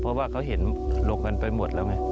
เพราะว่าเขาเห็นหลบกันไปหมดแล้วไง